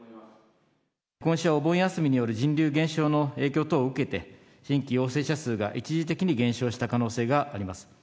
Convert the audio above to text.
今週はお盆休みによる人流減少の影響等を受けて、新規陽性者数が一時的に減少した可能性があります。